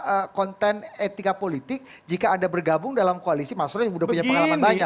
apa konten etika politik jika anda bergabung dalam koalisi maksudnya sudah punya pengalaman banyak